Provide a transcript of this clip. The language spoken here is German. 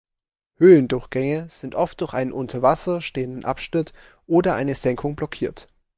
Höhlendurchgänge sind oft durch einen unter Wasser stehenden Abschnitt oder eine Senkung blockiert.